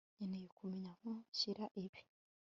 nkeneye kumenya aho nshyira ibi